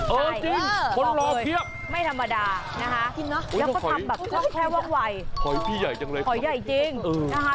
เออจริงคนรอเทียบไม่ธรรมดานะฮะกินนะแล้วก็ทำแค่ว่างวัยหอยอจกมีใหญ่จังเลยครับ